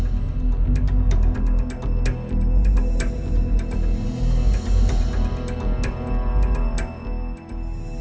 โปรดติดตามตอนต่อไป